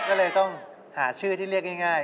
ก็เลยต้องหาชื่อที่เรียกง่าย